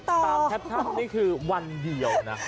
ตามแท็บท่ำนี่คือวันเดียวนะ